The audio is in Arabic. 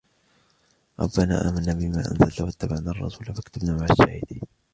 ربنا آمنا بما أنزلت واتبعنا الرسول فاكتبنا مع الشاهدين